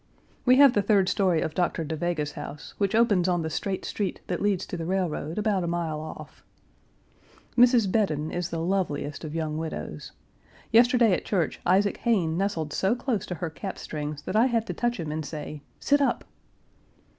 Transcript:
We have the third story of Dr. Da Vega's house, which opens on the straight street that leads to the railroad about a mile off. Mrs. Bedon is the loveliest of young widows. Yesterday at church Isaac Hayne nestled so close to her cap strings that I had to touch him and say, "Sit up!"